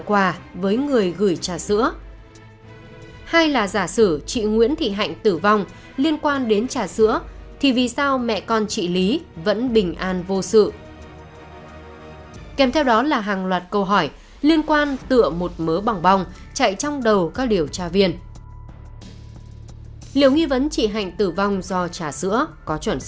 về việc nạn nhân nguyễn thị hạnh tử vong có liên quan đến chất độc xe nùa trong các cốc trà sữa